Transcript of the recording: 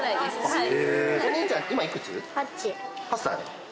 はい。